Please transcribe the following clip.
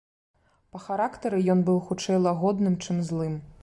Па характары ён быў хутчэй лагодным, чым злым.